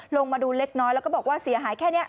ลงมาดูเล็กน้อยแล้วก็บอกว่าเสียหายแค่นี้